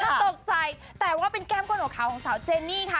ตกใจแต่ว่าเป็นแก้มก้นหัวขาวของสาวเจนี่ค่ะ